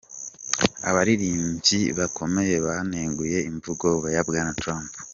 Abaririmvyi bakomeye baneguye imvugo ya Bwana Trump.